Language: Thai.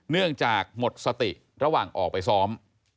เนื่องจากหมดสติระหว่างออกไปซ้อม